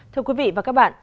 thưa quý vị và các bạn